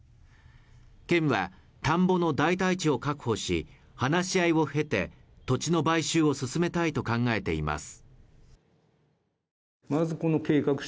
県は田んぼの代替地を確保し話し合いを経て土地の買収を進めたいと考えています